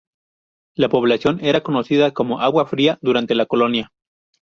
La población era conocida como Agua Fría, durante la colonia.